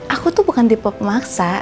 aku tuh bukan tipe pemaksa